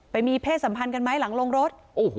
ไปมีเพศสัมพันธ์กันไหมหลังลงรถ